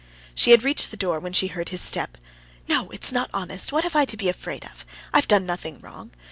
She had reached the door, when she heard his step. "No! it's not honest. What have I to be afraid of? I have done nothing wrong.